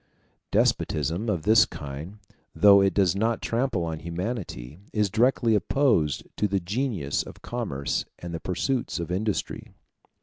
Despotism of this kind, though it does not trample on humanity, is directly opposed to the genius of commerce and the pursuits of industry.